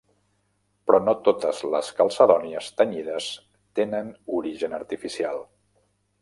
Però no totes les calcedònies tenyides tenen origen artificial.